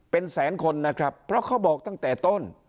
เป็นแสนคนนะครับเพราะเขาบอกตั้งแต่ต้น